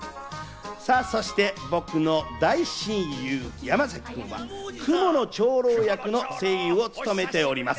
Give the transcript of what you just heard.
そして僕の大親友、山崎君は雲の長老役の声優を務めております。